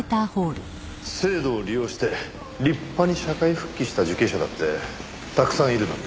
制度を利用して立派に社会復帰した受刑者だってたくさんいるのに。